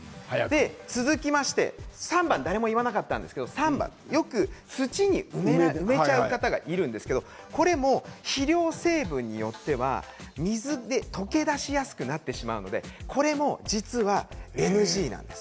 続きまして３番は誰も言わなかったんですけれど土に埋めちゃう方がいるんですけれどこれも肥料成分によっては水に溶け出しやすくなってしまうのでこれも実はＮＧなんです。